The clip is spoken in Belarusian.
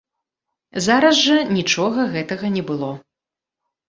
Зараз жа нічога гэтага не было.